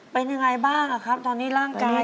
เป็นยังไงบ้างครับตอนนี้ร่างกาย